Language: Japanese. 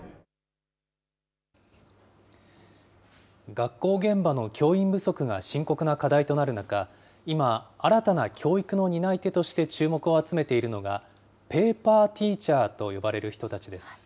学校現場の教員不足が深刻な課題となる中、今、新たな教育の担い手として注目を集めているのが、ペーパーティーチャーと呼ばれる人たちです。